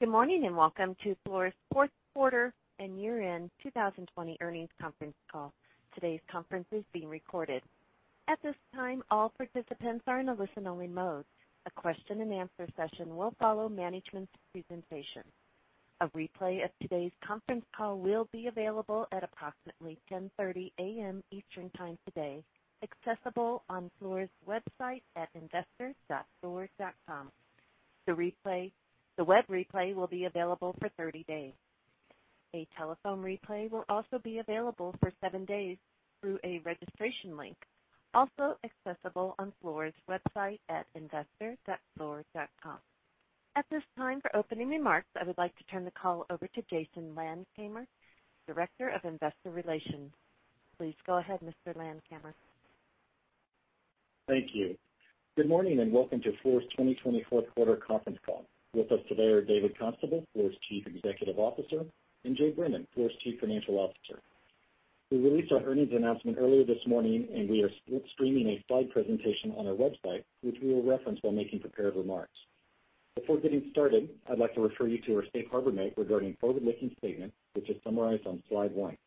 Good morning, and welcome to Fluor's fourth quarter and year-end 2020 earnings conference call. Today's conference is being recorded. At this time, all participants are in a listen-only mode. A question-and-answer session will follow management's presentation. A replay of today's conference call will be available at approximately 10:30 A.M. Eastern Time today, accessible on Fluor's website at investor.fluor.com. The web replay will be available for 30 days. A telephone replay will also be available for 7 days through a registration link, also accessible on Fluor's website at investor.fluor.com. At this time, for opening remarks, I would like to turn the call over to Jason Landkamer, Director of Investor Relations. Please go ahead, Mr. Landkamer. Thank you. Good morning, and welcome to Fluor's 2020 fourth quarter conference call. With us today are David Constable, Fluor's Chief Executive Officer, and Joe Brennan, Fluor's Chief Financial Officer. We released our earnings announcement earlier this morning, and we are split screening a slide presentation on our website, which we will reference while making prepared remarks. Before getting started, I'd like to refer you to our safe harbor note regarding forward-looking statements, which is summarized on slide one.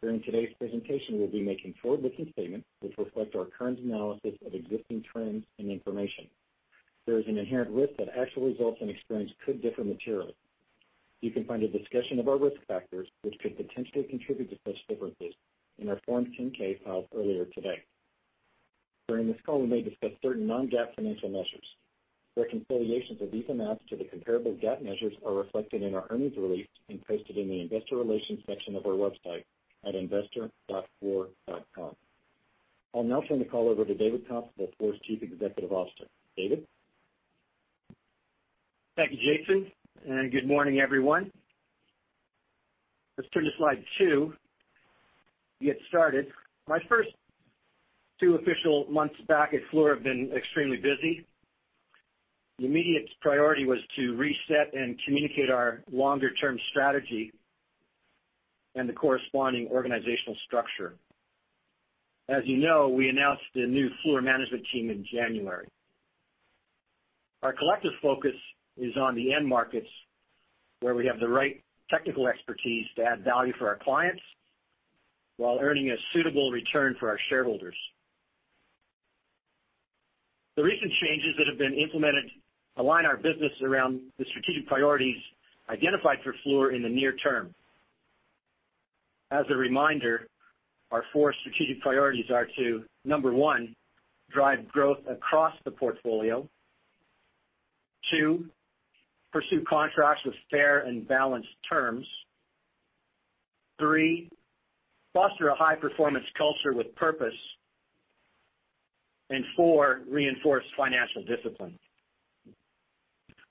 During today's presentation, we'll be making forward-looking statements, which reflect our current analysis of existing trends and information. There is an inherent risk that actual results and experience could differ materially. You can find a discussion of our risk factors, which could potentially contribute to such differences, in our 10-K filed earlier today. During this call, we may discuss certain non-GAAP financial measures. Reconciliations of these amounts to the comparable GAAP measures are reflected in our earnings release and posted in the Investor Relations section of our website at investor.fluor.com. I'll now turn the call over to David Constable, Fluor's Chief Executive Officer. David? Thank you, Jason, and good morning, everyone. Let's turn to slide 2 to get started. My first 2 official months back at Fluor have been extremely busy. The immediate priority was to reset and communicate our longer-term strategy and the corresponding organizational structure. As you know, we announced the new Fluor management team in January. Our collective focus is on the end markets, where we have the right technical expertise to add value for our clients while earning a suitable return for our shareholders. The recent changes that have been implemented align our business around the strategic priorities identified for Fluor in the near term. As a reminder, our 4 strategic priorities are to, number 1, drive growth across the portfolio; 2, pursue contracts with fair and balanced terms; 3, foster a high-performance culture with purpose; and 4, reinforce financial discipline.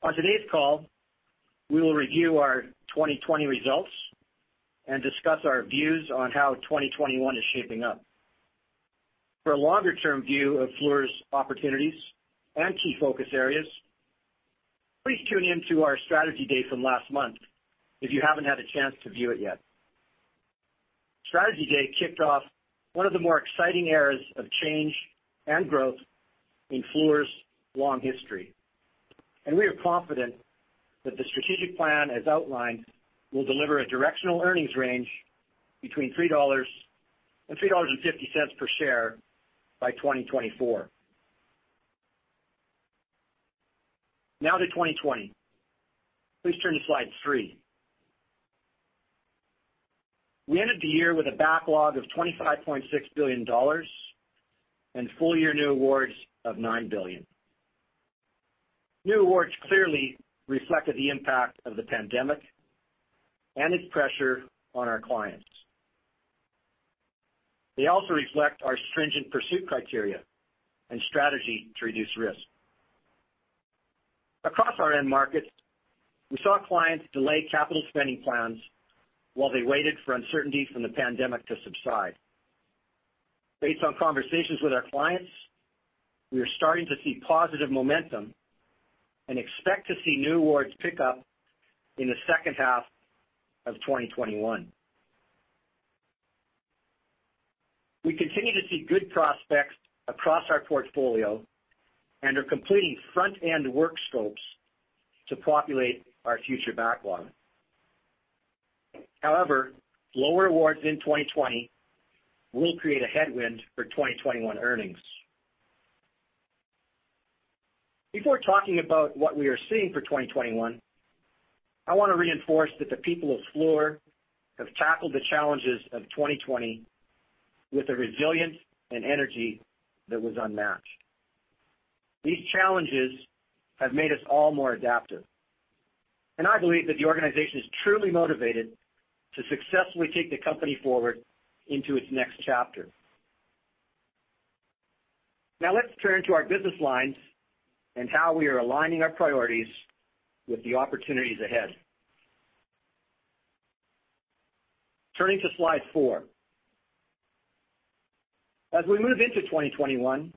On today's call, we will review our 2020 results and discuss our views on how 2021 is shaping up. For a longer-term view of Fluor's opportunities and key focus areas, please tune in to our Strategy Day from last month if you haven't had a chance to view it yet. Strategy Day kicked off one of the more exciting eras of change and growth in Fluor's long history, and we are confident that the strategic plan, as outlined, will deliver a directional earnings range between $3 and $3.50 per share by 2024. Now to 2020. Please turn to slide 3. We ended the year with a backlog of $25.6 billion and full-year new awards of $9 billion. New awards clearly reflected the impact of the pandemic and its pressure on our clients. They also reflect our stringent pursuit criteria and strategy to reduce risk. Across our end markets, we saw clients delay capital spending plans while they waited for uncertainty from the pandemic to subside. Based on conversations with our clients, we are starting to see positive momentum and expect to see new awards pick up in the second half of 2021. We continue to see good prospects across our portfolio and are completing front-end work scopes to populate our future backlog. However, lower awards in 2020 will create a headwind for 2021 earnings. Before talking about what we are seeing for 2021, I wanna reinforce that the people of Fluor have tackled the challenges of 2020 with a resilience and energy that was unmatched. These challenges have made us all more adaptive, and I believe that the organization is truly motivated to successfully take the company forward into its next chapter. Now, let's turn to our business lines and how we are aligning our priorities with the opportunities ahead. Turning to slide 4. As we move into 2021,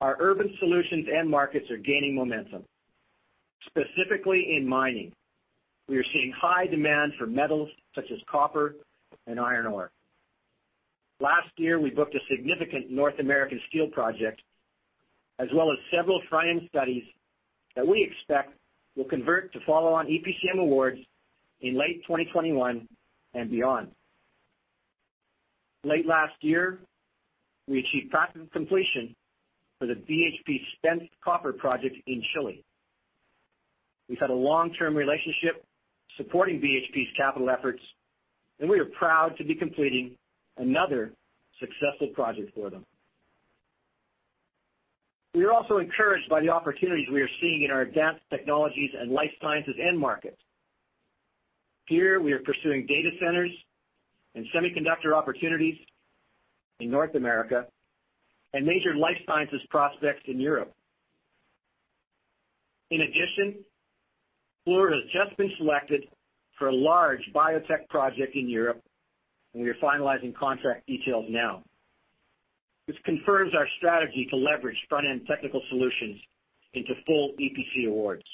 our Urban Solutions end markets are gaining momentum, specifically in mining. We are seeing high demand for metals, such as copper and iron ore... Last year, we booked a significant North American steel project, as well as several front-end studies that we expect will convert to follow on EPCM awards in late 2021 and beyond. Late last year, we achieved practical completion for the BHP Spence Copper Project in Chile. We've had a long-term relationship supporting BHP's capital efforts, and we are proud to be completing another successful project for them. We are also encouraged by the opportunities we are seeing in our Advanced Technologies and Life Sciences end market. Here, we are pursuing data centers and semiconductor opportunities in North America and major life sciences prospects in Europe. In addition, Fluor has just been selected for a large biotech project in Europe, and we are finalizing contract details now. This confirms our strategy to leverage front-end technical solutions into full EPC awards.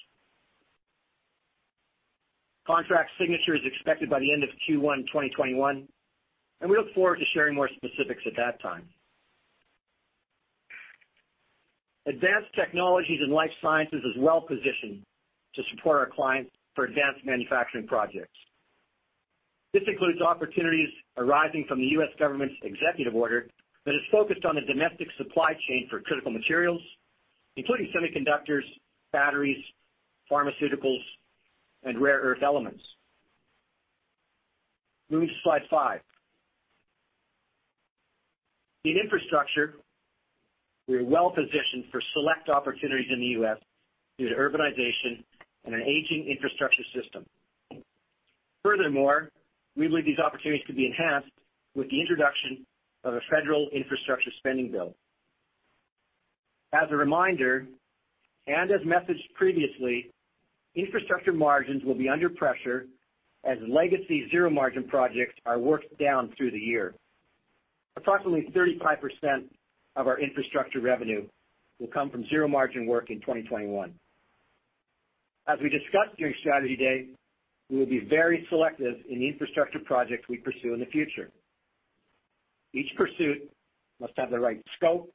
Contract signature is expected by the end of Q1 2021, and we look forward to sharing more specifics at that time. Advanced Technologies and Life Sciences is well positioned to support our clients for advanced manufacturing projects. This includes opportunities arising from the U.S. government's executive order that is focused on the domestic supply chain for critical materials, including semiconductors, batteries, pharmaceuticals, and rare earth elements. Moving to slide 5. In infrastructure, we are well positioned for select opportunities in the U.S. due to urbanization and an aging infrastructure system. Furthermore, we believe these opportunities could be enhanced with the introduction of a federal infrastructure spending bill. As a reminder, and as messaged previously, infrastructure margins will be under pressure as legacy zero-margin projects are worked down through the year. Approximately 35% of our infrastructure revenue will come from zero-margin work in 2021. As we discussed during Strategy Day, we will be very selective in the infrastructure projects we pursue in the future. Each pursuit must have the right scope,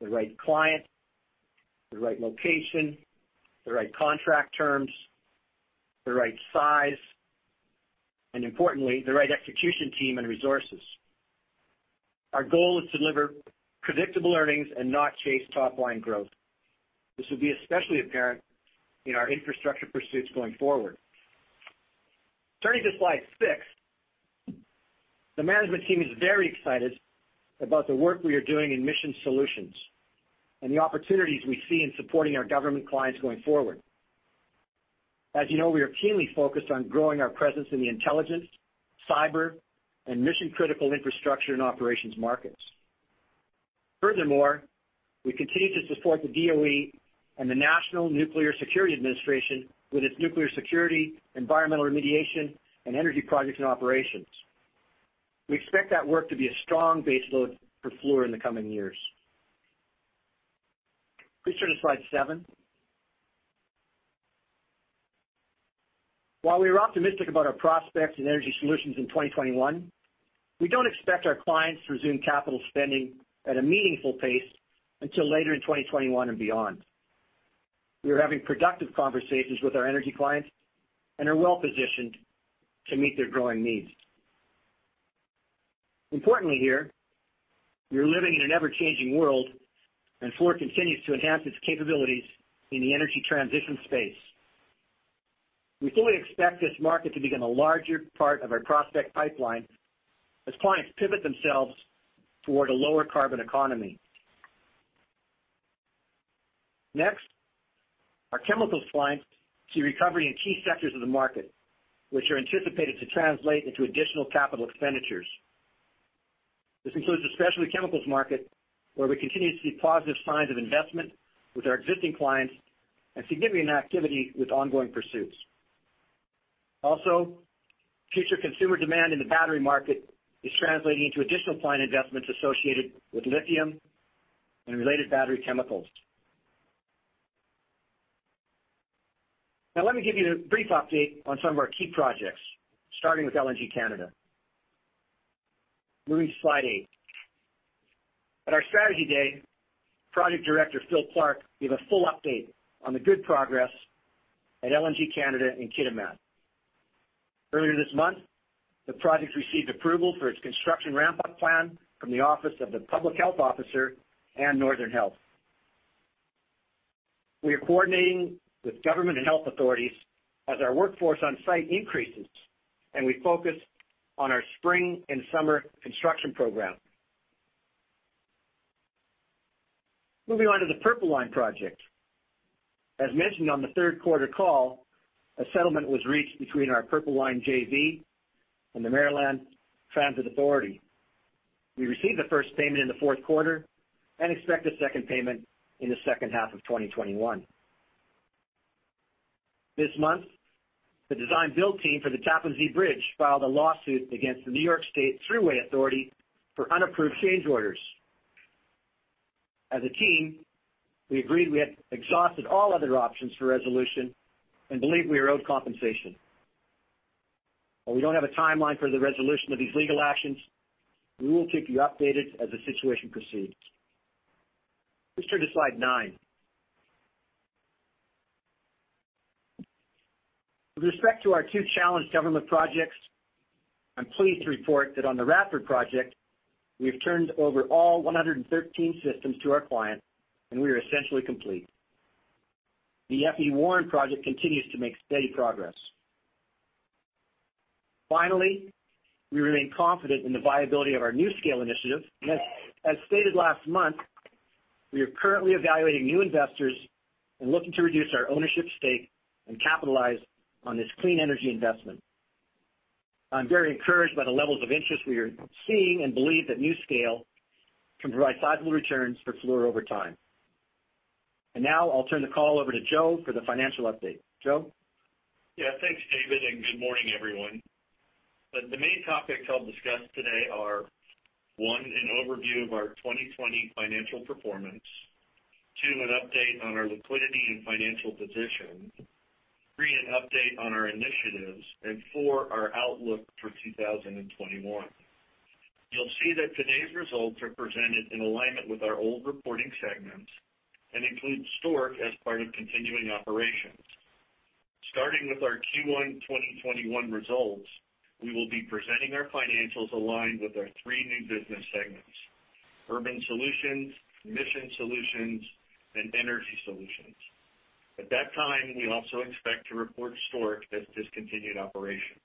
the right client, the right location, the right contract terms, the right size, and importantly, the right execution team and resources. Our goal is to deliver predictable earnings and not chase top line growth. This will be especially apparent in our infrastructure pursuits going forward. Turning to slide 6, the management team is very excited about the work we are doing in Mission Solutions and the opportunities we see in supporting our government clients going forward. As you know, we are keenly focused on growing our presence in the intelligence, cyber, and mission-critical infrastructure and operations markets. Furthermore, we continue to support the DOE and the National Nuclear Security Administration with its nuclear security, environmental remediation, and energy projects and operations. We expect that work to be a strong base load for Fluor in the coming years. Please turn to slide 7. While we are optimistic about our prospects in Energy Solutions in 2021, we don't expect our clients to resume capital spending at a meaningful pace until later in 2021 and beyond. We are having productive conversations with our energy clients and are well positioned to meet their growing needs. Importantly, here, we are living in an ever-changing world, and Fluor continues to enhance its capabilities in the energy transition space. We fully expect this market to become a larger part of our prospect pipeline as clients pivot themselves toward a lower carbon economy. Next, our chemicals clients see recovery in key sectors of the market, which are anticipated to translate into additional capital expenditures. This includes the specialty chemicals market, where we continue to see positive signs of investment with our existing clients and significant activity with ongoing pursuits. Also, future consumer demand in the battery market is translating into additional client investments associated with lithium and related battery chemicals. Now, let me give you a brief update on some of our key projects, starting with LNG Canada. Moving to slide eight. At our Strategy Day, Project Director Phil Clark gave a full update on the good progress at LNG Canada in Kitimat. Earlier this month, the project received approval for its construction ramp-up plan from the Office of the Public Health Officer and Northern Health. We are coordinating with government and health authorities as our workforce on site increases, and we focus on our spring and summer construction program. Moving on to the Purple Line project. As mentioned on the third quarter call, a settlement was reached between our Purple Line JV and the Maryland Transit Authority. We received the first payment in the fourth quarter and expect a second payment in the second half of 2021. This month, the design-build team for the Tappan Zee Bridge filed a lawsuit against the New York State Thruway Authority for unapproved change orders. As a team, we agreed we had exhausted all other options for resolution and believe we are owed compensation. While we don't have a timeline for the resolution of these legal actions, we will keep you updated as the situation proceeds. Please turn to slide 9. With respect to our two challenged government projects, I'm pleased to report that on the Radford project, we have turned over all 113 systems to our client, and we are essentially complete. The F.E. Warren project continues to make steady progress. Finally, we remain confident in the viability of our NuScale initiative, and as stated last month, we are currently evaluating new investors and looking to reduce our ownership stake and capitalize on this clean energy investment. I'm very encouraged by the levels of interest we are seeing and believe that NuScale can provide sizable returns for Fluor over time. Now I'll turn the call over to Joe for the financial update. Joe? Yeah, thanks, David, and good morning, everyone. The main topics I'll discuss today are, one, an overview of our 2020 financial performance, two, an update on our liquidity and financial position, three, an update on our initiatives, and four, our outlook for 2021. You'll see that today's results are presented in alignment with our old reporting segments and include Stork as part of continuing operations. Starting with our Q1 2021 results, we will be presenting our financials aligned with our three new business segments: Urban Solutions, Mission Solutions, and Energy Solutions. At that time, we also expect to report Stork as discontinued operations.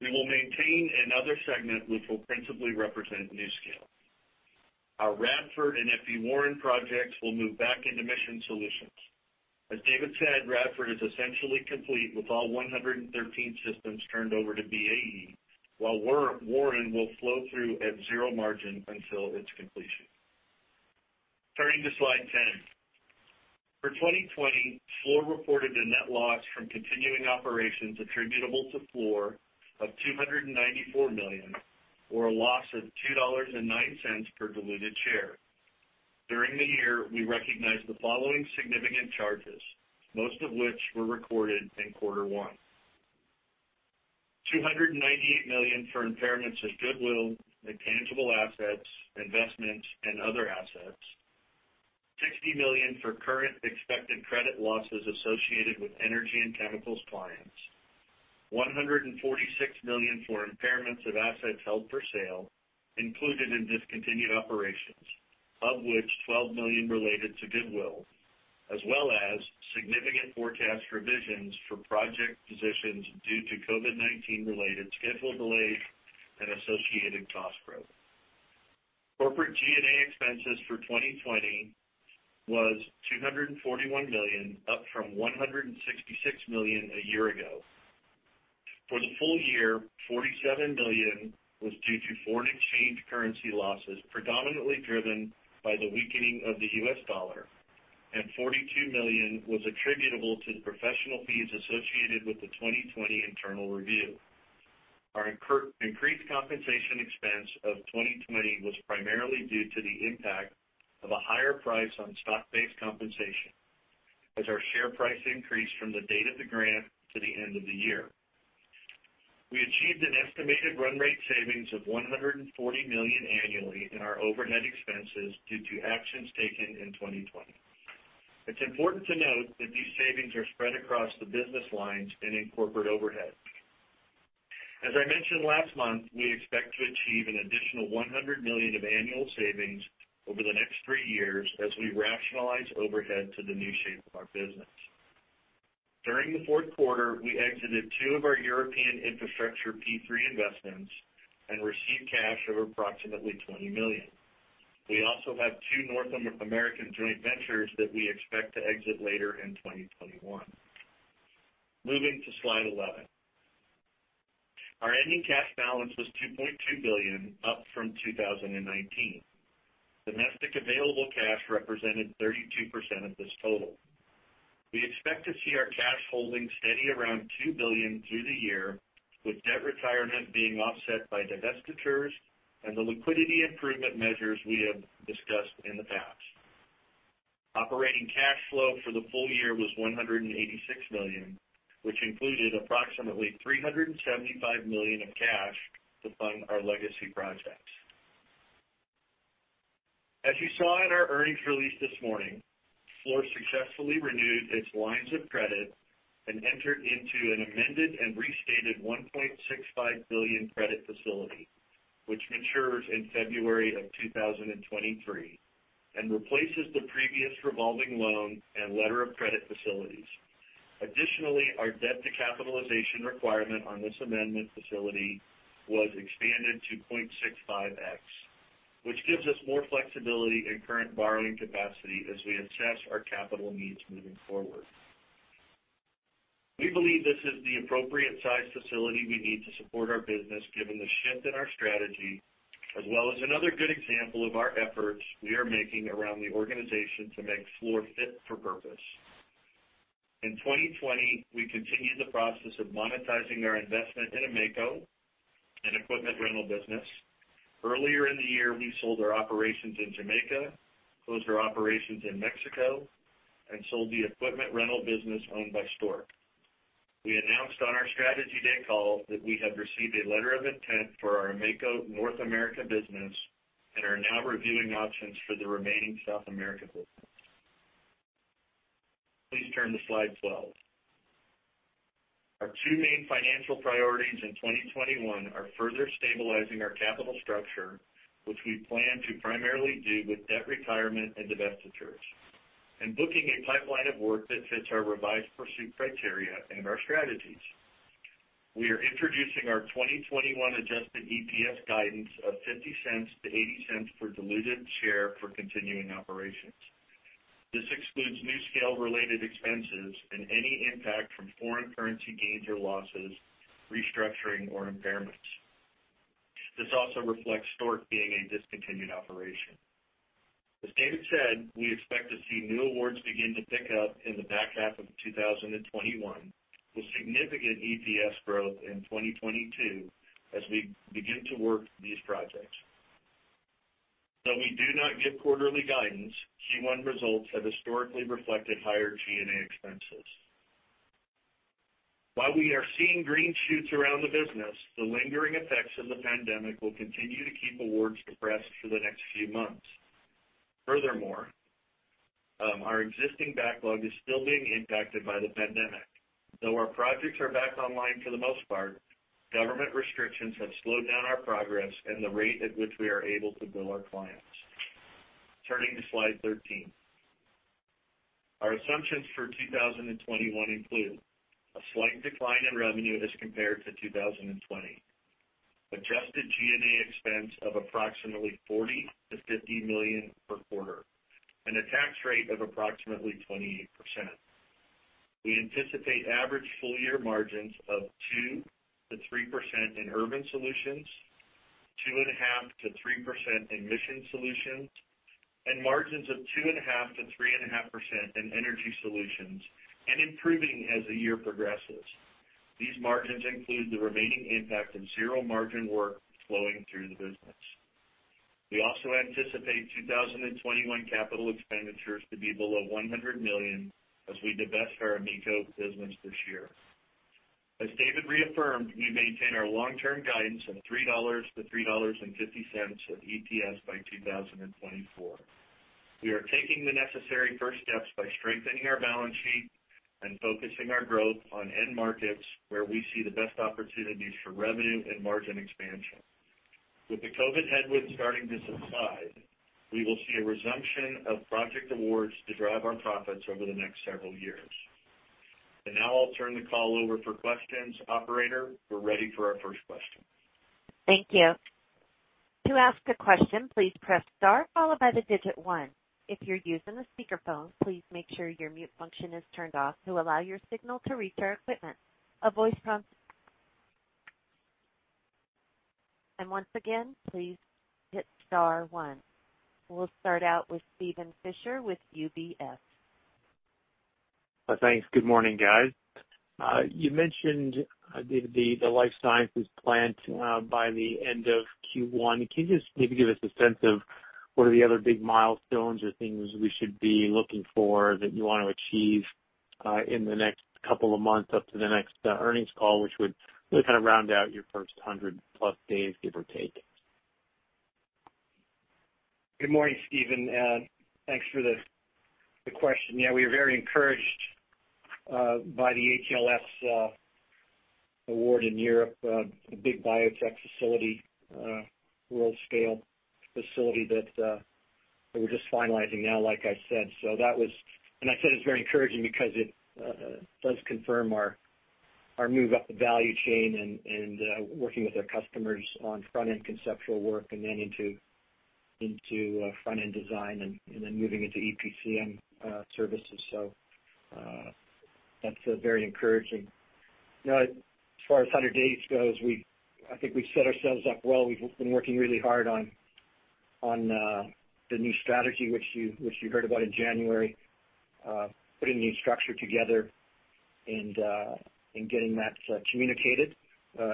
We will maintain another segment, which will principally represent NuScale. Our Radford and F.E. Warren projects will move back into Mission Solutions. As David said, Radford is essentially complete, with all 113 systems turned over to BAE, while Warren will flow through at zero margin until its completion. Turning to slide ten. For 2020, Fluor reported a net loss from continuing operations attributable to Fluor of $294 million, or a loss of $2.09 per diluted share. During the year, we recognized the following significant charges, most of which were recorded in quarter one: $298 million for impairments of goodwill and tangible assets, investments, and other assets, $60 million for current expected credit losses associated with energy and chemicals clients, $146 million for impairments of assets held for sale included in discontinued operations, of which $12 million related to goodwill, as well as significant forecast revisions for project positions due to COVID-19-related schedule delays and associated cost growth. Corporate G&A expenses for 2020 was $241 million, up from $166 million a year ago. For the full year, $47 million was due to foreign exchange currency losses, predominantly driven by the weakening of the U.S. dollar, and $42 million was attributable to the professional fees associated with the 2020 internal review. Our increased compensation expense of 2020 was primarily due to the impact of a higher price on stock-based compensation as our share price increased from the date of the grant to the end of the year. We achieved an estimated run rate savings of $140 million annually in our overhead expenses due to actions taken in 2020. It's important to note that these savings are spread across the business lines and in corporate overhead. As I mentioned last month, we expect to achieve an additional $100 million of annual savings over the next three years as we rationalize overhead to the new shape of our business. During the fourth quarter, we exited two of our European infrastructure P3 investments and received cash of approximately $20 million. We also have two North American joint ventures that we expect to exit later in 2021. Moving to slide eleven. Our ending cash balance was $2.2 billion, up from 2019. Domestic available cash represented 32% of this total. We expect to see our cash holdings steady around $2 billion through the year, with debt retirement being offset by divestitures and the liquidity improvement measures we have discussed in the past. Operating cash flow for the full year was $186 million, which included approximately $375 million of cash to fund our legacy projects. As you saw in our earnings release this morning, Fluor successfully renewed its lines of credit and entered into an amended and restated $1.65 billion credit facility, which matures in February 2023 and replaces the previous revolving loan and letter of credit facilities. Additionally, our debt to capitalization requirement on this amendment facility was expanded to 0.65x, which gives us more flexibility in current borrowing capacity as we assess our capital needs moving forward. We believe this is the appropriate size facility we need to support our business given the shift in our strategy, as well as another good example of our efforts we are making around the organization to make Fluor fit for purpose. In 2020, we continued the process of monetizing our investment in AMECO and equipment rental business. Earlier in the year, we sold our operations in Jamaica, closed our operations in Mexico, and sold the equipment rental business owned by Stork. We announced on our Strategy Day call that we have received a letter of intent for our AMECO North America business and are now reviewing options for the remaining South America business. Please turn to Slide 12. Our two main financial priorities in 2021 are further stabilizing our capital structure, which we plan to primarily do with debt retirement and divestitures, and booking a pipeline of work that fits our revised pursuit criteria and our strategies. We are introducing our 2021 adjusted EPS guidance of $0.50-$0.80 per diluted share for continuing operations. This excludes NuScale-related expenses and any impact from foreign currency gains or losses, restructuring, or impairments. This also reflects Stork being a discontinued operation. As David said, we expect to see new awards begin to pick up in the back half of 2021, with significant EPS growth in 2022 as we begin to work these projects. Though we do not give quarterly guidance, Q1 results have historically reflected higher G&A expenses. While we are seeing green shoots around the business, the lingering effects of the pandemic will continue to keep awards depressed for the next few months. Furthermore, our existing backlog is still being impacted by the pandemic. Though our projects are back online for the most part, government restrictions have slowed down our progress and the rate at which we are able to bill our clients. Turning to Slide 13. Our assumptions for 2021 include: a slight decline in revenue as compared to 2020, adjusted G&A expense of approximately $40 million-$50 million per quarter, and a tax rate of approximately 28%. We anticipate average full-year margins of 2%-3% in Urban Solutions, 2.5%-3% in Mission Solutions, and margins of 2.5%-3.5% in Energy Solutions, and improving as the year progresses. These margins include the remaining impact of zero-margin work flowing through the business. We also anticipate 2021 capital expenditures to be below $100 million as we divest our AMECO business this year. As David reaffirmed, we maintain our long-term guidance of $3-$3.50 of EPS by 2024. We are taking the necessary first steps by strengthening our balance sheet and focusing our growth on end markets, where we see the best opportunities for revenue and margin expansion. With the COVID headwinds starting to subside, we will see a resumption of project awards to drive our profits over the next several years. And now I'll turn the call over for questions. Operator, we're ready for our first question. Thank you. To ask a question, please press star, followed by the digit 1. If you're using a speakerphone, please make sure your mute function is turned off to allow your signal to reach our equipment. A voice prompt... Once again, please hit star 1. We'll start out with Steven Fisher with UBS. Thanks. Good morning, guys. You mentioned the life sciences plant by the end of Q1. Can you just maybe give us a sense of what are the other big milestones or things we should be looking for that you want to achieve in the next couple of months up to the next earnings call, which would really kind of round out your first hundred-plus days, give or take? Good morning, Steven, thanks for the question. Yeah, we are very encouraged by the HLS award in Europe, a big biotech facility, world-scale facility that we're just finalizing now, like I said. So that was—and I said it's very encouraging because it does confirm our move up the value chain and working with our customers on front-end conceptual work, and then into front-end design and then moving into EPCM services. So, that's very encouraging. Now, as far as 100 days goes, I think we've set ourselves up well. We've been working really hard on the new strategy, which you heard about in January. Putting the new structure together and getting that communicated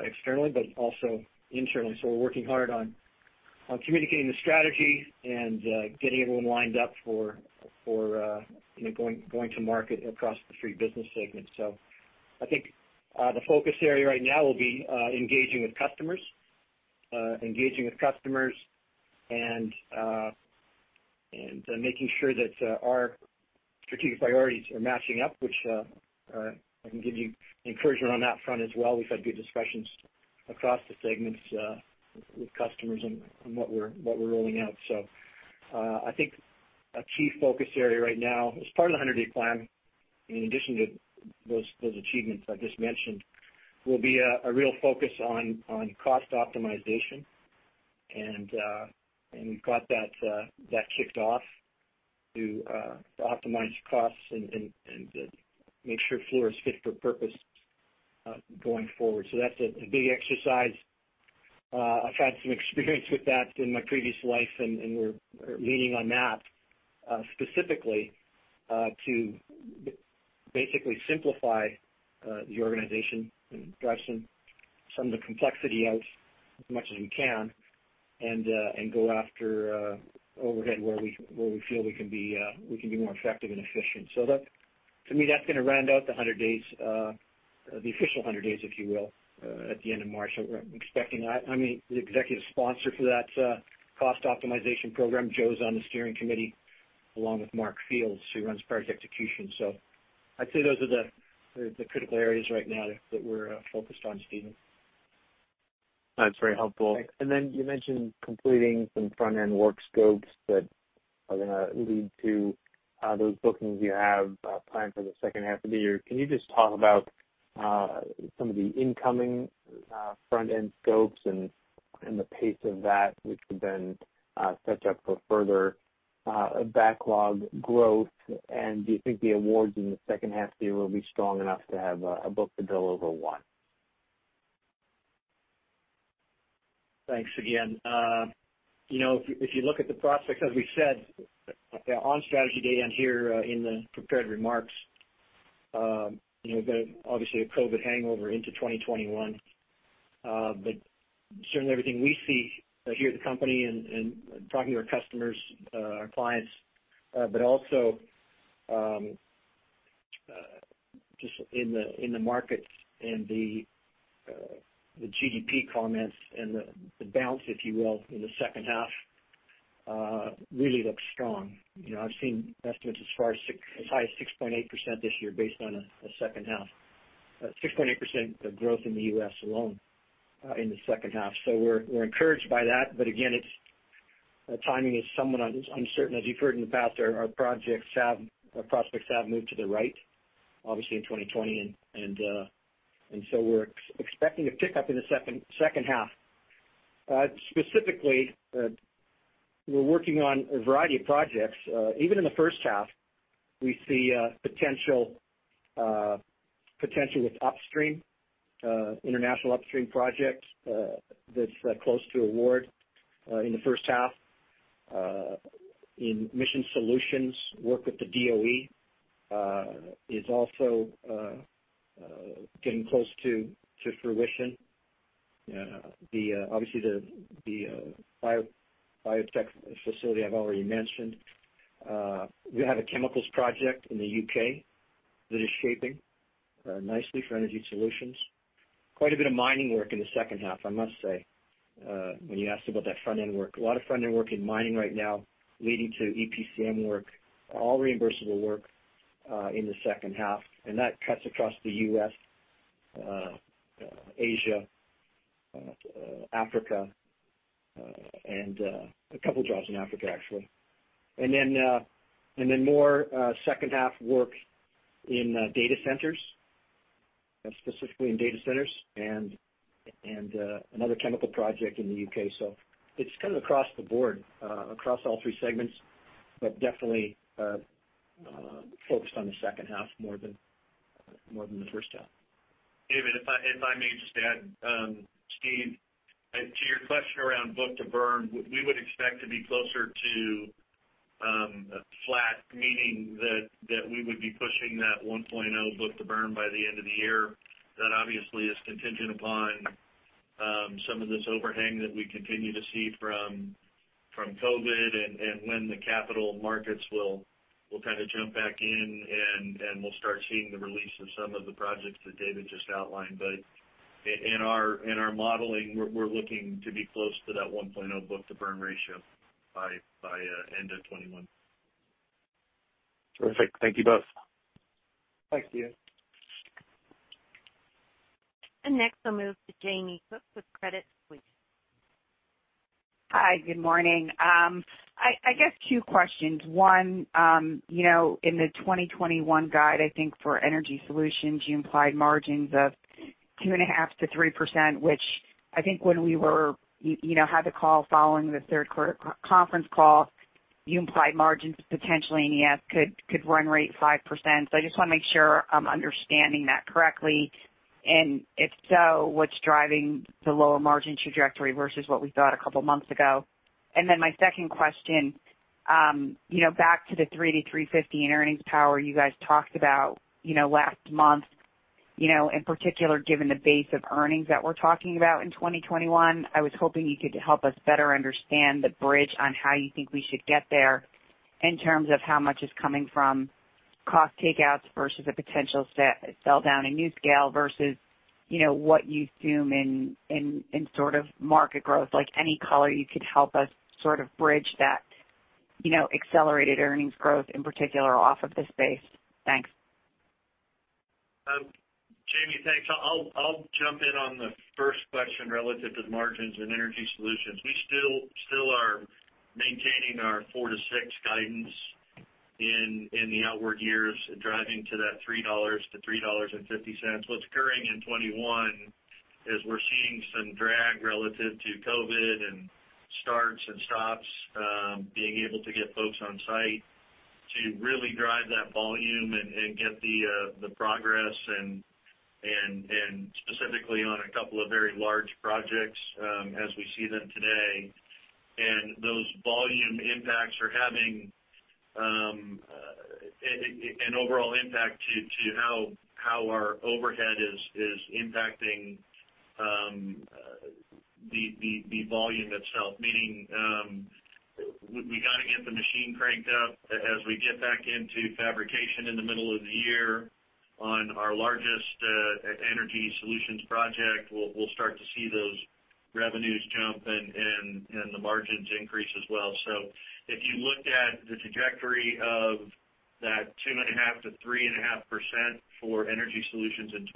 externally, but also internally. So we're working hard on communicating the strategy and getting everyone lined up for you know going to market across the three business segments. So I think the focus area right now will be engaging with customers and making sure that our strategic priorities are matching up, which I can give you encouragement on that front as well. We've had good discussions across the segments with customers on what we're rolling out. So I think a key focus area right now, as part of the 100-day plan, in addition to those achievements I just mentioned, will be a real focus on cost optimization. We've got that kicked off to optimize costs and make sure Fluor is fit for purpose going forward. So that's a big exercise. I've had some experience with that in my previous life, and we're leaning on that specifically to basically simplify the organization and drive some of the complexity out as much as we can, and go after overhead where we feel we can be more effective and efficient. So that, to me, that's gonna round out the 100 days, the official 100 days, if you will, at the end of March. So we're expecting that. I mean, the executive sponsor for that cost optimization program, Joe's on the steering committee, along with Mark Fields, who runs project execution. So I'd say those are the critical areas right now that we're focused on, Steven. That's very helpful. Thanks. And then you mentioned completing some front-end work scopes that are gonna lead to those bookings you have planned for the second half of the year. Can you just talk about some of the incoming front-end scopes and the pace of that, which could then set you up for further backlog growth? And do you think the awards in the second half of the year will be strong enough to have a book-to-bill over one? Thanks again. You know, if you, if you look at the prospects, as we've said, on strategy day and here, in the prepared remarks, you know, obviously, a COVID hangover into 2021. But certainly everything we see, here at the company and, and talking to our customers, our clients, but also, just in the, in the markets and the, the GDP comments and the, the bounce, if you will, in the second half, really looks strong. You know, I've seen estimates as far as—as high as 6.8% this year based on a, a second half. 6.8% of growth in the U.S. alone, in the second half. So we're, we're encouraged by that, but again, it's, timing is somewhat uncertain. As you've heard in the past, our projects have, our prospects have moved to the right, obviously in 2020, and so we're expecting a pickup in the second half. Specifically, we're working on a variety of projects. Even in the first half, we see potential with upstream international upstream projects that's close to award in the first half. In Mission Solutions, work with the DOE is also getting close to fruition. Obviously, the biotech facility I've already mentioned. We have a chemicals project in the UK that is shaping nicely for Energy Solutions. Quite a bit of mining work in the second half, I must say, when you asked about that front-end work. A lot of front-end work in mining right now, leading to EPCM work, all reimbursable work, in the second half, and that cuts across the U.S., Asia, Africa, and a couple jobs in Africa, actually. And then, and then more, second half work in, data centers, specifically in data centers, and, another chemical project in the U.K. So it's kind of across the board, across all three segments, but definitely, focused on the second half more than, more than the first half. David, if I may just add, Steve, to your question around book-to-burn, we would expect to be closer to flat, meaning that we would be pushing that 1.0 book-to-burn by the end of the year. That obviously is contingent upon some of this overhang that we continue to see from COVID and when the capital markets will kind of jump back in, and we'll start seeing the release of some of the projects that David just outlined. But in our modeling, we're looking to be close to that 1.0 book-to-burn ratio by end of 2021. Terrific. Thank you both. Thank you. Next, I'll move to Jamie Cook with Credit Suisse. Hi, good morning. I guess two questions. One, you know, in the 2021 guide, I think for Energy Solutions, you implied margins of 2.5%-3%, which I think when we were, you know, had the call following the third quarter conference call, you implied margins potentially in the future could run rate 5%. So I just wanna make sure I'm understanding that correctly, and if so, what's driving the lower margin trajectory versus what we thought a couple months ago? My second question, you know, back to the $3-$3.50 in earnings power you guys talked about, you know, last month, you know, in particular, given the base of earnings that we're talking about in 2021, I was hoping you could help us better understand the bridge on how you think we should get there in terms of how much is coming from cost takeouts versus a potential sell down in NuScale versus, you know, what you assume in sort of market growth. Like any color you could help us sort of bridge that, you know, accelerated earnings growth in particular off of this base. Thanks. Jamie, thanks. I'll jump in on the first question relative to the margins and Energy Solutions. We still are maintaining our 4-6 guidance in the outward years, driving to that $3-$3.50. What's occurring in 2021 is we're seeing some drag relative to COVID and starts and stops, being able to get folks on site to really drive that volume and get the progress and specifically on a couple of very large projects, as we see them today. And those volume impacts are having an overall impact to how our overhead is impacting the volume itself. Meaning, we gotta get the machine cranked up as we get back into fabrication in the middle of the year on our largest Energy Solutions project, we'll start to see those revenues jump and the margins increase as well. So if you looked at the trajectory of that 2.5%-3.5% for Energy Solutions in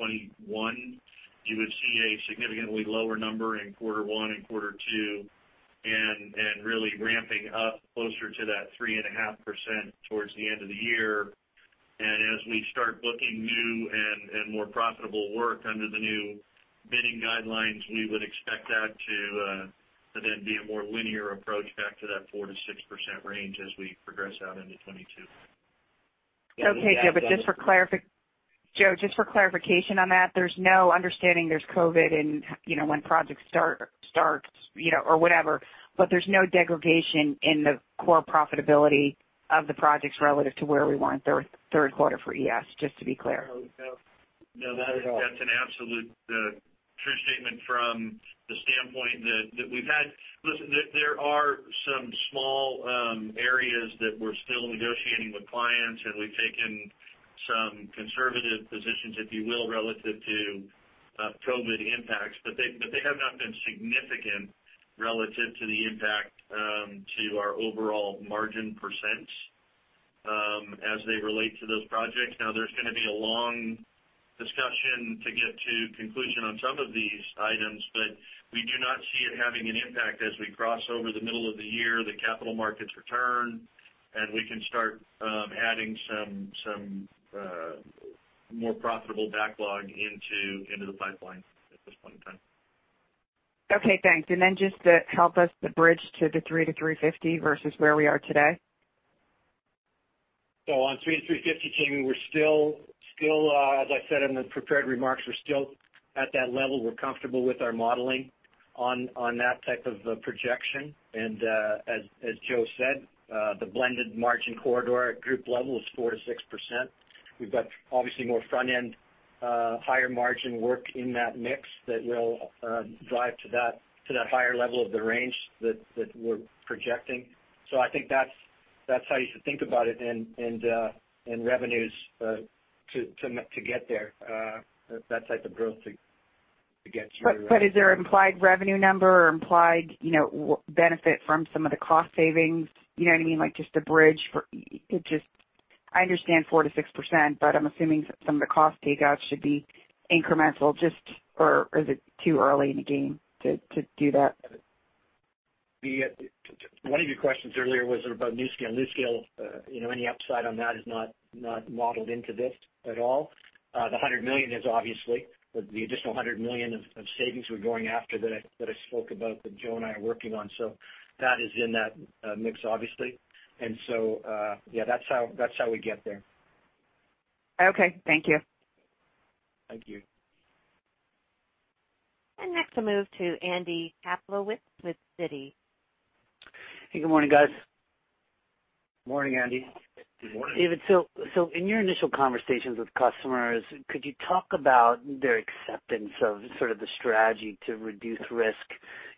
2021, you would see a significantly lower number in quarter one and quarter two, and really ramping up closer to that 3.5% towards the end of the year. And as we start booking new and more profitable work under the new bidding guidelines, we would expect that to then be a more linear approach back to that 4%-6% range as we progress out into 2022. Okay, Joe, but just for clarification on that, there's no understanding there's COVID in, you know, when projects start, you know, or whatever, but there's no degradation in the core profitability of the projects relative to where we were in third quarter for ES, just to be clear? No, no, no, that is, that's an absolute true statement from the standpoint that we've had. Listen, there are some small areas that we're still negotiating with clients, and we've taken some conservative positions, if you will, relative to COVID impacts. But they have not been significant relative to the impact to our overall margin percents as they relate to those projects. Now, there's gonna be a long discussion to get to conclusion on some of these items, but we do not see it having an impact as we cross over the middle of the year, the capital markets return, and we can start adding some more profitable backlog into the pipeline at this point in time. Okay, thanks. Then just to help us to bridge to the 3-350 versus where we are today? So on 3-350, Jamie, we're still as I said in the prepared remarks, we're still at that level. We're comfortable with our modeling on that type of projection. And as Joe said, the blended margin corridor at group level is 4%-6%. We've got obviously more front-end higher margin work in that mix that will drive to that higher level of the range that we're projecting. So I think that's how you should think about it in revenues to get there, that type of growth to get to where you want. But is there an implied revenue number or implied, you know, what benefit from some of the cost savings? You know what I mean? Like, just a bridge for... Just, I understand 4%-6%, but I'm assuming some of the cost takeouts should be incremental. Just, or is it too early in the game to do that? One of your questions earlier was about NuScale. NuScale, you know, any upside on that is not modeled into this at all. The $100 million is obviously the additional $100 million of savings we're going after that I spoke about, that Joe and I are working on. So that is in that mix, obviously. And so, yeah, that's how we get there. Okay. Thank you. Thank you. Next, I'll move to Andy Kaplowitz with Citi. Hey, good morning, guys. Morning, Andy. Good morning. David, so in your initial conversations with customers, could you talk about their acceptance of sort of the strategy to reduce risk,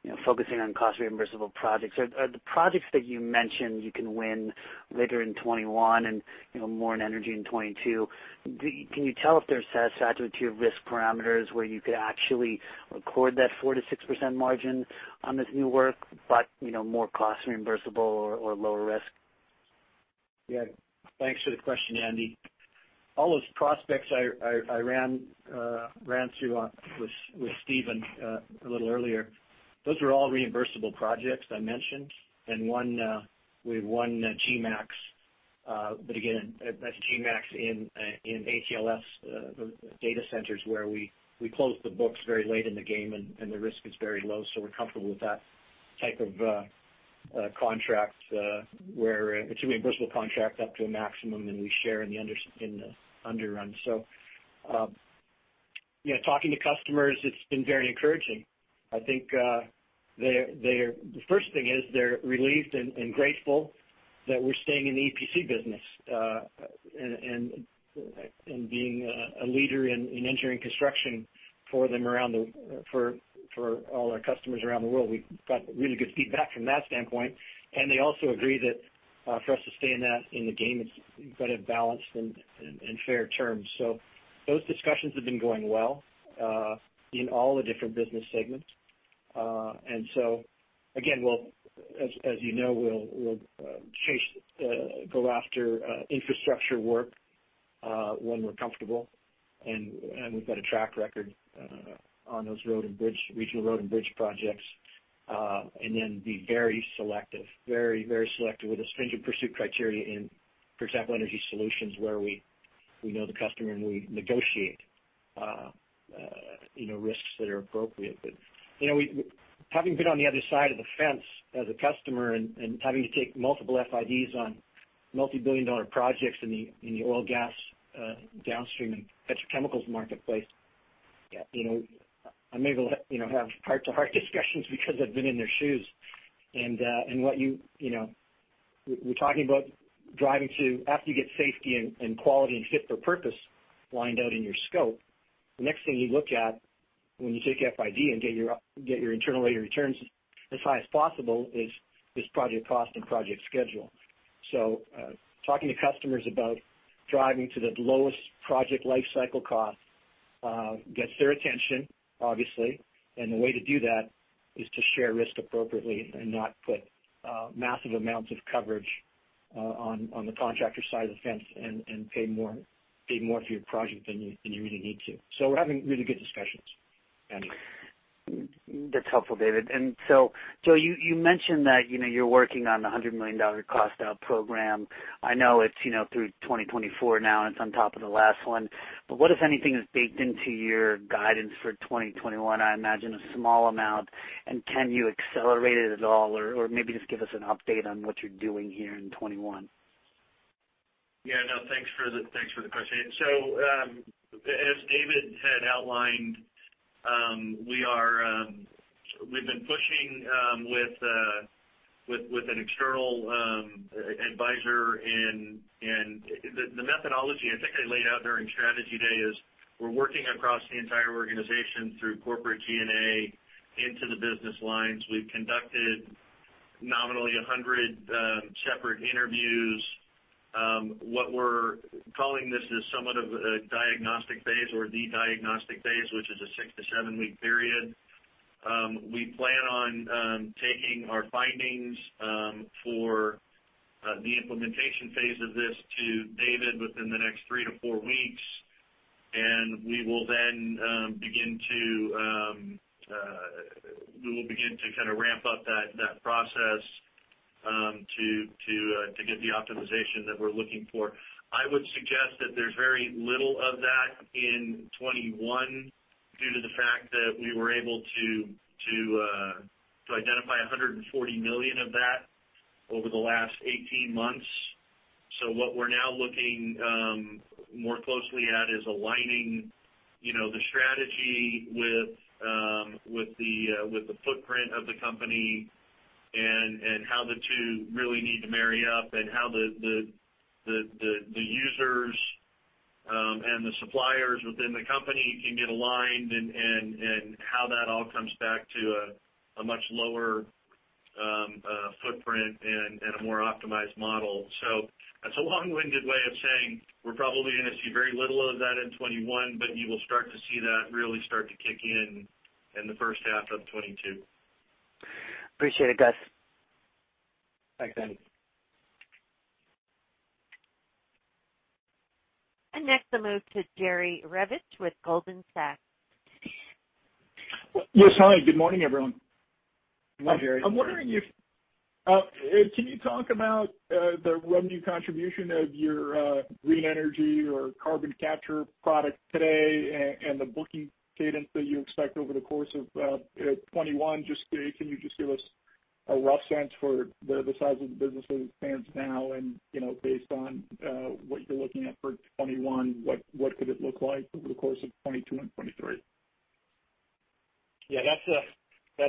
you know, focusing on cost reimbursable projects? Are the projects that you mentioned you can win later in 2021 and, you know, more in energy in 2022, can you tell if they're satisfied to your risk parameters where you could actually record that 4%-6% margin on this new work, but, you know, more cost reimbursable or lower risk? Yeah. Thanks for the question, Andy. All those prospects I ran through with Steven a little earlier, those were all reimbursable projects I mentioned, and one, we have one GMAX. But again, that's GMAX in ACLS data centers where we close the books very late in the game, and the risk is very low, so we're comfortable with that type of contract, where it's a reimbursable contract up to a maximum, and we share in the underruns. So, you know, talking to customers, it's been very encouraging. I think, they're, they're... The first thing is they're relieved and grateful that we're staying in the EPC business, and being a leader in engineering construction for all our customers around the world. We've got really good feedback from that standpoint. They also agree that for us to stay in that, in the game, it's got to have balanced and fair terms. So those discussions have been going well in all the different business segments. And so again, as you know, we'll go after infrastructure work when we're comfortable, and we've got a track record on those road and bridge, regional road and bridge projects. And then be very selective, very selective with a stringent pursuit criteria in, for example, Energy Solutions, where we-... We know the customer, and we negotiate, you know, risks that are appropriate. But, you know, having been on the other side of the fence as a customer and having to take multiple FIDs on multibillion-dollar projects in the oil and gas, downstream and petrochemicals marketplace, you know, I'm able to, you know, have heart-to-heart discussions because I've been in their shoes. And, what you know, we're talking about driving to, after you get safety and quality and fit for purpose lined out in your scope, the next thing you look at when you take FID and get your internal rate of returns as high as possible is project cost and project schedule. So, talking to customers about driving to the lowest project life cycle cost gets their attention, obviously, and the way to do that is to share risk appropriately and not put massive amounts of coverage on the contractor side of the fence and pay more, pay more for your project than you, than you really need to. So we're having really good discussions, Andy. That's helpful, David. So you mentioned that, you know, you're working on a $100 million cost out program. I know it's, you know, through 2024 now, and it's on top of the last one. But what, if anything, is baked into your guidance for 2021? I imagine a small amount. And can you accelerate it at all? Or maybe just give us an update on what you're doing here in 2021. Yeah, no, thanks for the question. So, as David had outlined, we've been pushing with an external advisor. And the methodology I think I laid out during Strategy Day is we're working across the entire organization through corporate G&A into the business lines. We've conducted nominally 100 separate interviews. What we're calling this is somewhat of a diagnostic phase or the diagnostic phase, which is a 6- to 7-week period. We plan on taking our findings for the implementation phase of this to David within the next 3-4 weeks, and we will then begin to kind of ramp up that process to get the optimization that we're looking for. I would suggest that there's very little of that in 2021, due to the fact that we were able to identify $140 million of that over the last 18 months. So what we're now looking more closely at is aligning, you know, the strategy with the footprint of the company and how the two really need to marry up, and how the users and the suppliers within the company can get aligned, and how that all comes back to a much lower footprint and a more optimized model. So that's a long-winded way of saying we're probably gonna see very little of that in 2021, but you will start to see that really start to kick in in the first half of 2022. Appreciate it, guys. Thanks, Andy. Next, I'll move to Jerry Revich with Goldman Sachs. Yes, hi, good morning, everyone. Hi, Jerry. I'm wondering if you can talk about the revenue contribution of your green energy or carbon capture product today, and the booking cadence that you expect over the course of 2021? Just, can you just give us a rough sense for the size of the business as it stands now and, you know, based on what you're looking at for 2021, what could it look like over the course of 2022 and 2023? Yeah, that's a,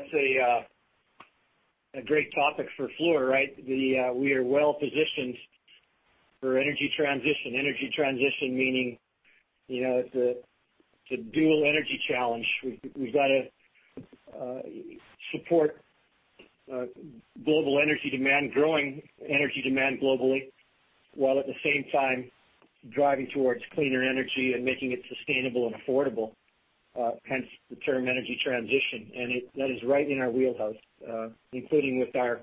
that's a great topic for Fluor, right? The, we are well positioned for energy transition. Energy transition, meaning, you know, it's a, it's a dual energy challenge. We've, we've got to support global energy demand, growing energy demand globally, while at the same time driving towards cleaner energy and making it sustainable and affordable, hence the term energy transition. And it that is right in our wheelhouse, including with our,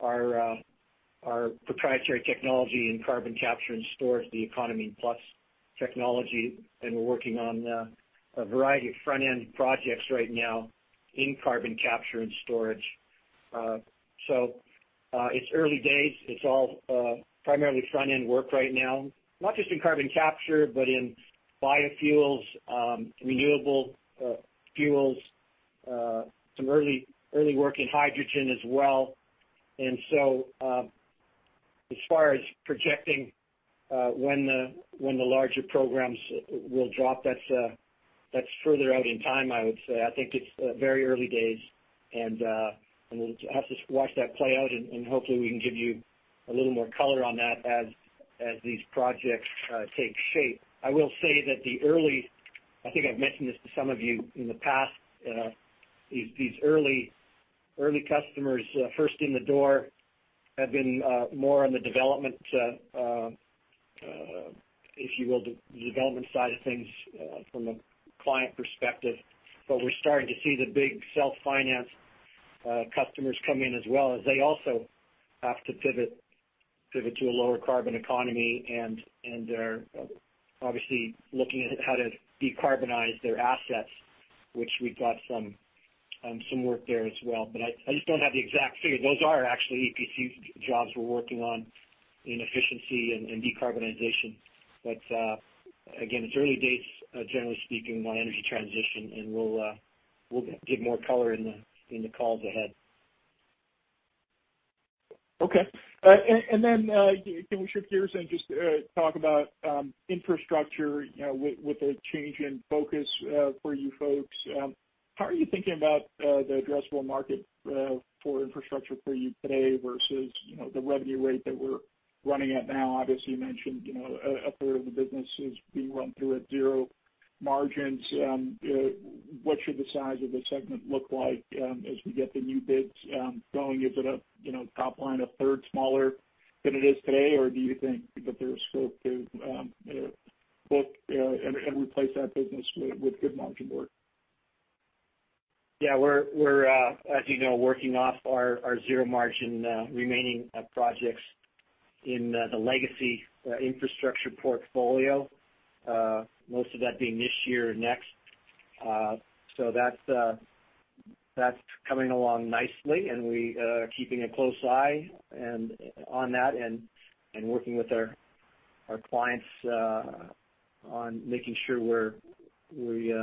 our proprietary technology in carbon capture and storage, the Econamine Plus technology, and we're working on a variety of front-end projects right now in carbon capture and storage. So, it's early days. It's all primarily front-end work right now, not just in carbon capture, but in biofuels, renewable fuels, some early, early work in hydrogen as well. As far as projecting when the larger programs will drop, that's further out in time, I would say. I think it's very early days, and we'll have to watch that play out, and hopefully we can give you a little more color on that as these projects take shape. I will say that the early. I think I've mentioned this to some of you in the past, these early customers first in the door have been more on the development, if you will, the development side of things from a client perspective. But we're starting to see the big self-finance customers come in as well, as they also have to pivot to a lower carbon economy, and they're obviously looking at how to decarbonize their assets, which we've got some work there as well, but I just don't have the exact figure. Those are actually EPC jobs we're working on in efficiency and decarbonization. But again, it's early days, generally speaking, on energy transition, and we'll give more color in the calls ahead. Okay. And then, can we shift gears and just talk about infrastructure, you know, with the change in focus for you folks. How are you thinking about the addressable market for infrastructure for you today versus, you know, the revenue rate that we're running at now? Obviously, you mentioned, you know, a part of the business is being run through at zero margins. What should the size of the segment look like as we get the new bids going? Is it, you know, top line, a third smaller than it is today, or do you think that there's scope to, you know, book and replace that business with good margin work? Yeah, we're, as you know, working off our zero margin remaining projects in the legacy infrastructure portfolio, most of that being this year or next. So that's coming along nicely, and we are keeping a close eye on that and working with our clients on making sure we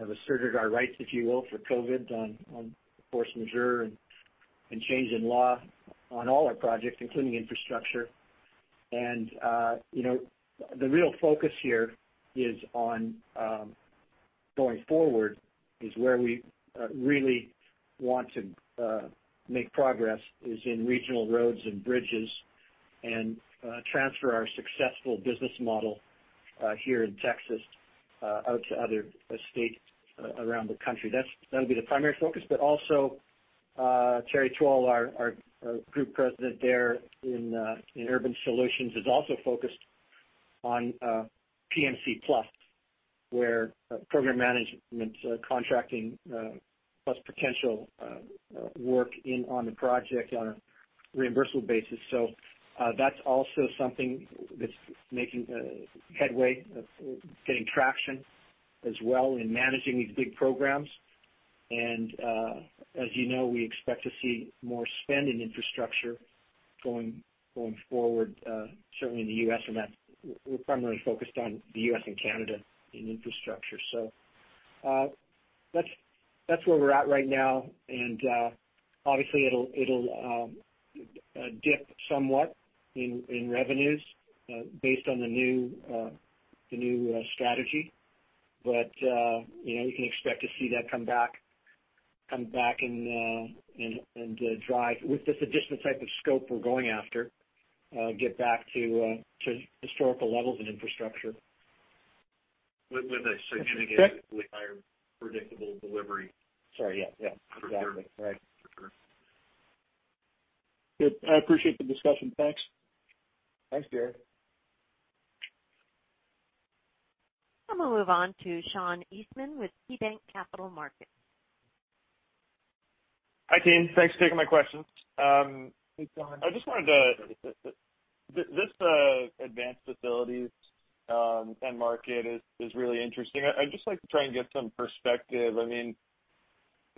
have asserted our rights, if you will, for COVID on force majeure and change in law on all our projects, including infrastructure. And you know, the real focus here is on going forward, is where we really want to make progress is in regional roads and bridges and transfer our successful business model here in Texas out to other states around the country. That's, that'll be the primary focus, but also, Terry Towle, our group president there in Urban Solutions, is also focused on PMC Plus, where program management contracting plus potential work on the project on a reimbursable basis. So, that's also something that's making headway, getting traction as well in managing these big programs. And, as you know, we expect to see more spend in infrastructure going forward, certainly in the U.S., and that's -- we're primarily focused on the U.S. and Canada in infrastructure. So, that's where we're at right now, and obviously, it'll dip somewhat in revenues based on the new strategy. But, you know, you can expect to see that come back, come back and, and, drive with this additional type of scope we're going after, get back to, to historical levels in infrastructure. With a significantly higher predictable delivery. Sorry, yeah, yeah. Exactly. Right. Good. I appreciate the discussion. Thanks. Thanks, Jerry. I'm gonna move on to Sean Eastman with KeyBanc Capital Markets. Hi, Team. Thanks for taking my questions. Hey, Sean. I just wanted to this advanced facilities end market is really interesting. I'd just like to try and get some perspective. I mean,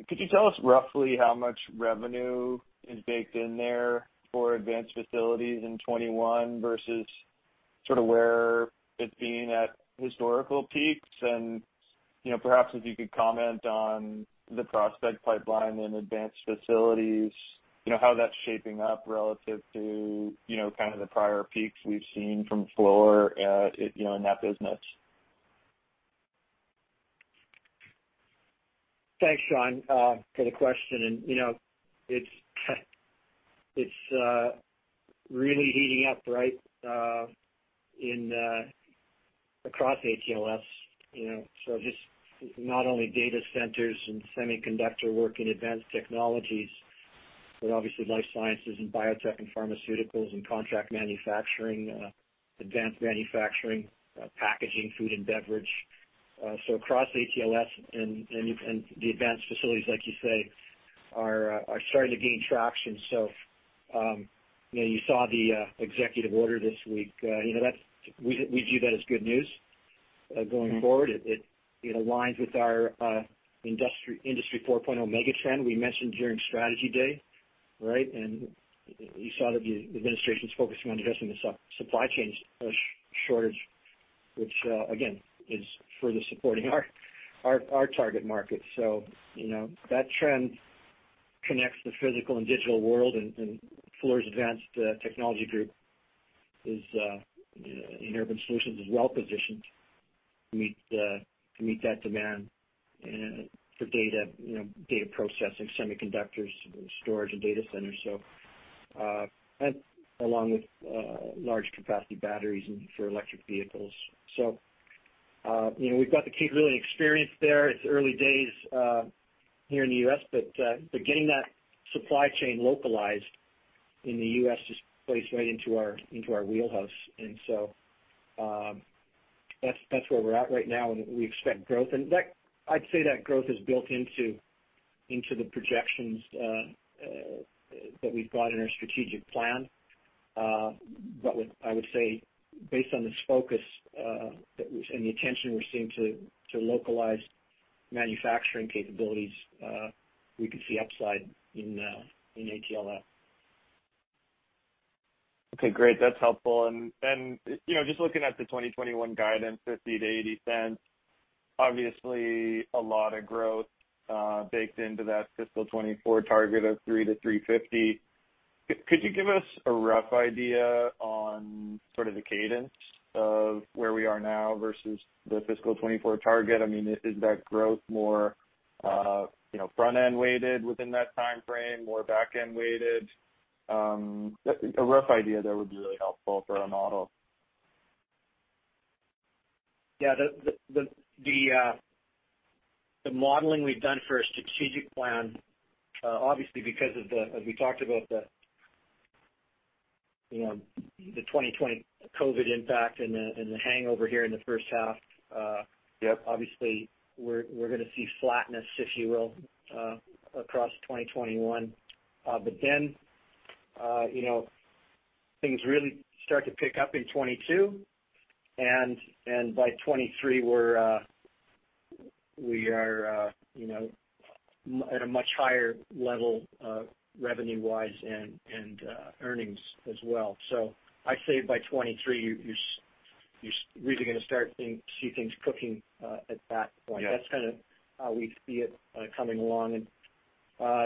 could you tell us roughly how much revenue is baked in there for advanced facilities in 2021 versus sort of where it's been at historical peaks? And, you know, perhaps if you could comment on the prospect pipeline in advanced facilities, you know, how that's shaping up relative to, you know, kind of the prior peaks we've seen from Fluor, you know, in that business. Thanks, Sean, for the question. And, you know, it's really heating up right in across ATLS, you know, so just not only data centers and semiconductor work in advanced technologies, but obviously life sciences and biotech and pharmaceuticals and contract manufacturing, advanced manufacturing, packaging, food and beverage. So across ATLS and the advanced facilities, like you say, are starting to gain traction. So, you know, you saw the executive order this week. You know, that's we view that as good news going forward. It aligns with our industry, Industry 4.0 megatrend we mentioned during Strategy Day, right? And you saw that the administration's focusing on addressing the supply chain shortage, which, again, is further supporting our target market. So, you know, that trend connects the physical and digital world, and Fluor's Advanced Technology Group is, you know, in Urban Solutions, is well positioned to meet that demand for data, you know, data processing, semiconductors, storage and data centers. So, along with large capacity batteries and for electric vehicles. So, you know, we've got the capability and experience there. It's early days here in the U.S., but getting that supply chain localized in the U.S. just plays right into our wheelhouse. And so, that's where we're at right now, and we expect growth. And I'd say that growth is built into the projections that we've got in our strategic plan.... But what I would say, based on this focus, and the attention we're seeing to localize manufacturing capabilities, we could see upside in ATLF. Okay, great. That's helpful. And you know, just looking at the 2021 guidance, $0.50-$0.80, obviously a lot of growth baked into that fiscal 2024 target of $3-$3.50. Could you give us a rough idea on sort of the cadence of where we are now versus the fiscal 2024 target? I mean, is that growth more you know, front-end weighted within that timeframe, more back-end weighted? A rough idea there would be really helpful for our model. Yeah, the modeling we've done for a strategic plan, obviously, because of, as we talked about, you know, the 2020 COVID impact and the hangover here in the first half, Yep. Obviously, we're gonna see flatness, if you will, across 2021. But then, you know, things really start to pick up in 2022, and by 2023, we are at a much higher level, revenue wise and earnings as well. So I'd say by 2023, you're really gonna start seeing things cooking at that point. Yeah. That's kind of how we see it, coming along. And,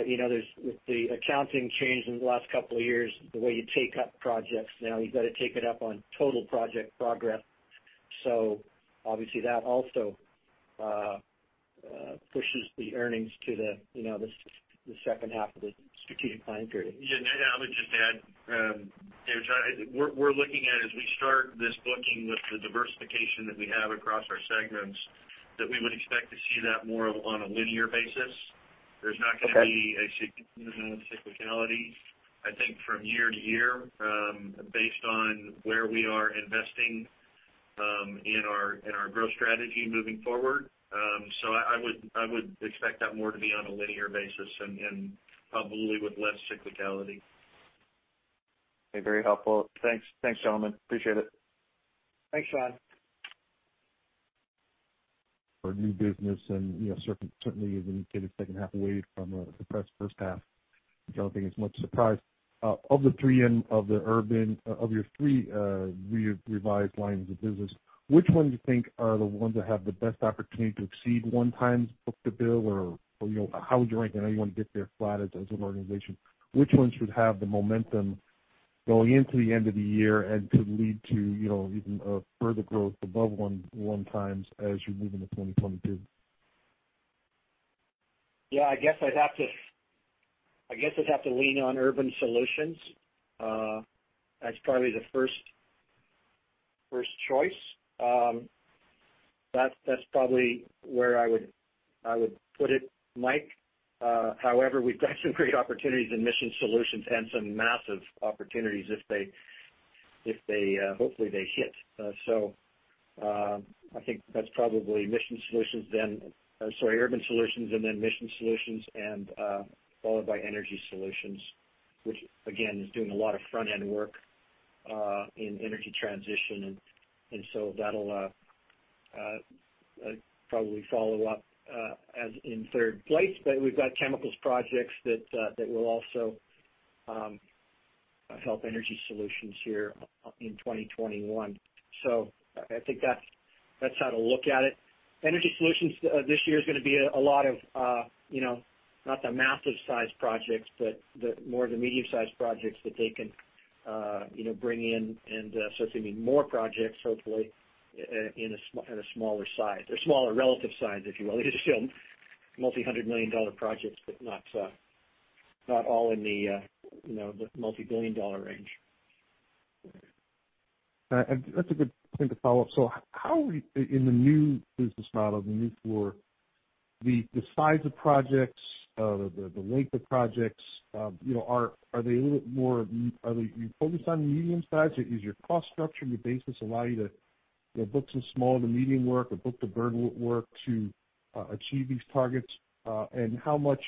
you know, there's, with the accounting change in the last couple of years, the way you take up projects now, you've got to take it up on total project progress. So obviously, that also pushes the earnings to the, you know, the second half of the strategic plan period. Yeah, and I would just add, Dave, we're looking at as we start this booking with the diversification that we have across our segments, that we would expect to see that more on a linear basis. Okay. There's not gonna be a cyclicality, you know, I think, from year to year, based on where we are investing in our growth strategy moving forward. So I would expect that more to be on a linear basis and probably with less cyclicality. Okay. Very helpful. Thanks. Thanks, gentlemen. Appreciate it. Thanks, Sean. For new business and, you know, certainly as indicated, second half away from a suppressed first half, I don't think it's much surprise. Of the three and of the Urban- of your three revised lines of business, which one do you think are the ones that have the best opportunity to exceed one times book-to-bill, or, you know, how would you rank anyone get there flat as an organization? Which ones would have the momentum going into the end of the year and could lead to, you know, even a further growth above one, one times as you move into 2022? Yeah, I guess I'd have to, I guess I'd have to lean on Urban Solutions. That's probably the first choice. That's probably where I would put it, Mike. However, we've got some great opportunities in Mission Solutions and some massive opportunities if they hopefully they hit. So, I think that's probably Mission Solutions then. Sorry, Urban Solutions, and then Mission Solutions, followed by Energy Solutions, which again is doing a lot of front-end work in energy transition. And so that'll probably follow up as in third place. But we've got chemicals projects that will also help Energy Solutions here in 2021. So I think that's how to look at it. Energy Solutions, this year is gonna be a lot of, you know, not the massive size projects, but the more the medium-sized projects that they can, you know, bring in. So it's gonna be more projects, hopefully, in a smaller size or smaller relative size, if you will. These are still $multi-hundred-million-dollar projects, but not all in the, you know, the $multi-billion-dollar range. That's a good thing to follow up. So how are we in the new business model, the new Fluor, the size of projects, the length of projects, you know, are they a little bit more? Are you focused on the medium size? Is your cost structure, your business allow you to, you know, book some small to medium work or book-to-burn work to achieve these targets? And how much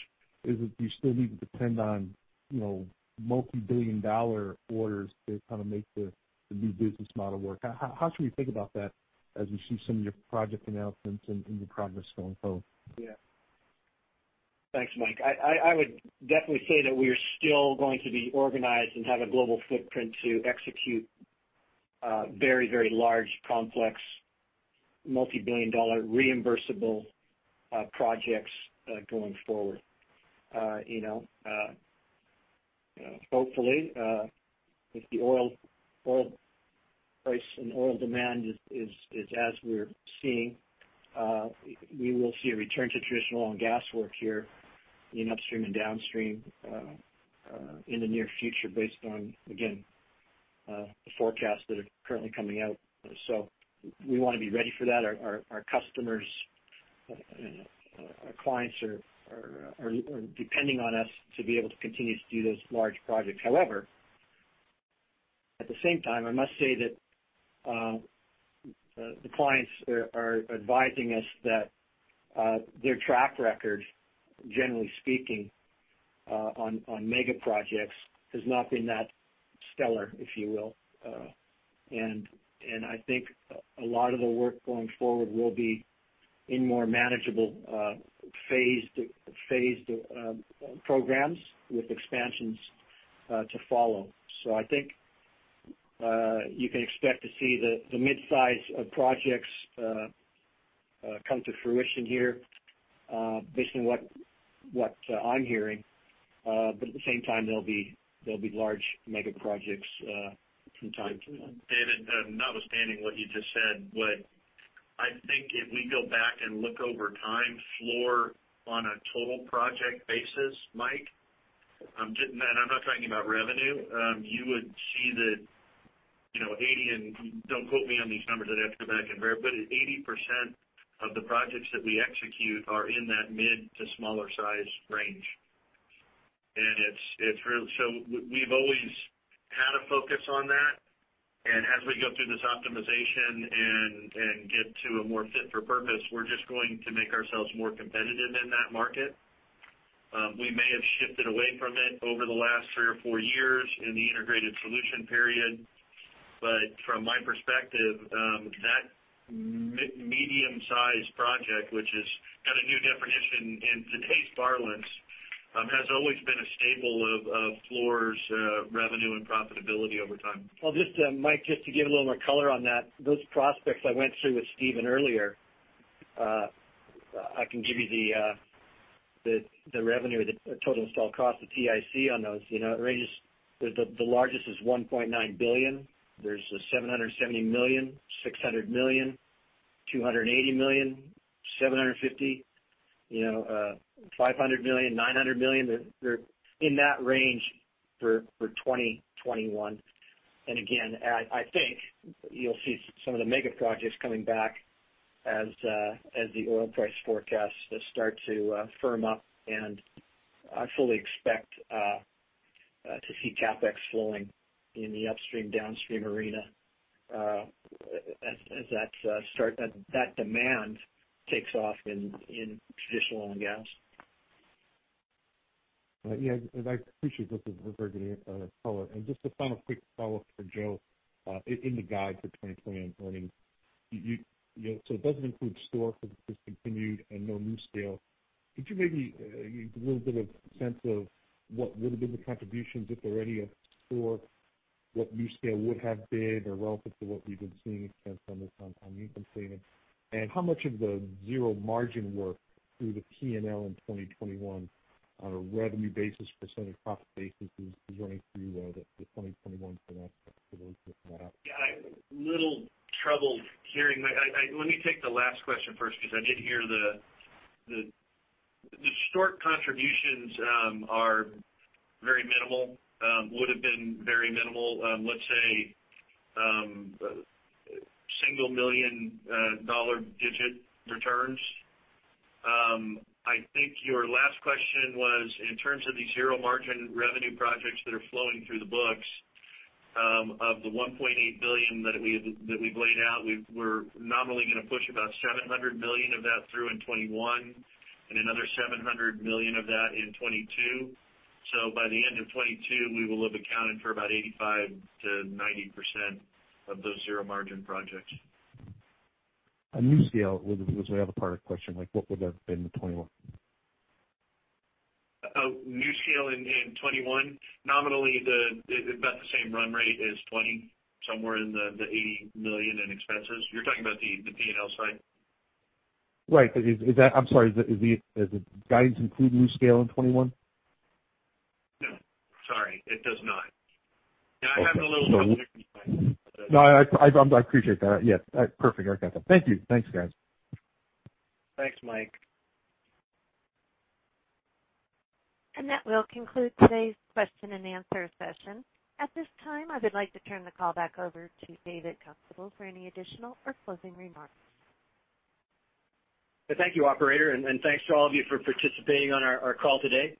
do you still need to depend on, you know, multi-billion dollar orders to kind of make the new business model work? How should we think about that as we see some of your project announcements and the progress going forward? Yeah. Thanks, Mike. I would definitely say that we are still going to be organized and have a global footprint to execute very, very large, complex, multi-billion dollar reimbursable projects going forward. You know, hopefully, if the oil price and oil demand is as we're seeing, we will see a return to traditional oil and gas work here in upstream and downstream in the near future, based on, again, the forecasts that are currently coming out. So we want to be ready for that. Our customers, our clients are depending on us to be able to continue to do those large projects. However, at the same time, I must say that-... The clients are advising us that their track record, generally speaking, on mega projects has not been that stellar, if you will. And I think a lot of the work going forward will be in more manageable, phased programs with expansions to follow. So I think you can expect to see the mid-size of projects come to fruition here, based on what I'm hearing. But at the same time, there'll be large mega projects from time to time. David, notwithstanding what you just said, what I think if we go back and look over time, Fluor on a total project basis, Mike, I'm getting -- and I'm not talking about revenue, you would see that, you know, 80, and don't quote me on these numbers, I'd have to go back and verify, but 80% of the projects that we execute are in that mid to smaller size range. And it's, it's real. So we've always had a focus on that. And as we go through this optimization and, and get to a more fit for purpose, we're just going to make ourselves more competitive in that market. We may have shifted away from it over the last three or four years in the integrated solution period, but from my perspective, that medium-sized project, which has got a new definition in today's parlance, has always been a staple of Fluor's revenue and profitability over time. Well, just, Mike, just to give a little more color on that, those prospects I went through with Steven earlier, I can give you the, the revenue, the total installed cost, the TIC, on those. You know, it ranges. The largest is $1.9 billion. There's a $770 million, $600 million, $280 million, $750 million, you know, $500 million, $900 million. They're in that range for 2021. And again, I think you'll see some of the mega projects coming back as the oil price forecasts start to firm up, and I fully expect to see CapEx flowing in the upstream, downstream arena, as that demand takes off in traditional oil and gas. Yeah, and I appreciate both of those very good color. Just a final quick follow-up for Joe. In the guidance for 2020, I mean, you know, so it doesn't include Stork for discontinued and NuScale. Could you maybe give a little bit of sense of what would have been the contributions, if already at Stork? What NuScale would have been or relative to what we've been seeing in terms of maintenance savings? And how much of the zero margin work through the P&L in 2021 on a revenue basis, percentage profit basis, is running through the 2021 forecast for those? Yeah, I'm little troubled hearing. Let me take the last question first, because I did hear the Stork contributions are very minimal, would have been very minimal. Let's say, single million dollar digit returns. I think your last question was in terms of the zero margin revenue projects that are flowing through the books. Of the $1.8 billion that we've laid out, we're nominally gonna push about $700 million of that through in 2021 and another $700 million of that in 2022. So by the end of 2022, we will have accounted for about 85%-90% of those zero margin projects. On NuScale, was the other part of the question, like, what would have been the 2021? NuScale in 2021, nominally, about the same run rate as 2020, somewhere in the $80 million in expenses. You're talking about the P&L side? Right. Is that... I'm sorry, is the guidance include NuScale in 2021? No, sorry, it does not. Okay. Yeah, I'm having a little trouble hearing you, Mike. No, I appreciate that. Yes, perfect. I got that. Thank you. Thanks, guys. Thanks, Mike. That will conclude today's question and answer session. At this time, I would like to turn the call back over to David Constable for any additional or closing remarks. Thank you, operator, and thanks to all of you for participating on our call today.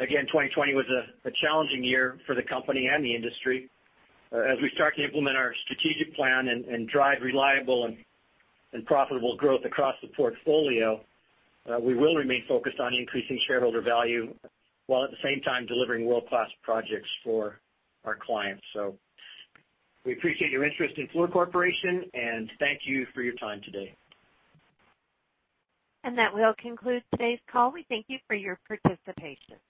Again, 2020 was a challenging year for the company and the industry. As we start to implement our strategic plan and drive reliable and profitable growth across the portfolio, we will remain focused on increasing shareholder value, while at the same time delivering world-class projects for our clients. So we appreciate your interest in Fluor Corporation, and thank you for your time today. That will conclude today's call. We thank you for your participation.